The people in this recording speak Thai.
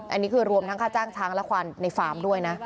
อันนี้คือรวมทั้งค่าจ้างช้างและควันในฟาร์มด้วยนะ